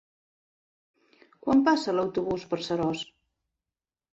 Quan passa l'autobús per Seròs?